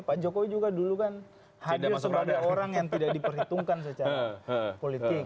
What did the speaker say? pak jokowi juga dulu kan hadir sebagai orang yang tidak diperhitungkan secara politik